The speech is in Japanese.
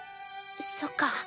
そっか。